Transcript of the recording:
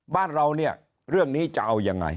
บ้านเราเนี่ยเรื่องนี้จะเอายังไง